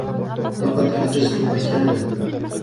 لقد حجزت مكانا.